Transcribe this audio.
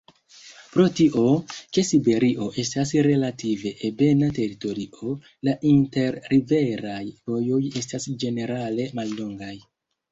Pro tio, ke Siberio estas relative ebena teritorio, la inter-riveraj vojoj estas ĝenerale mallongaj.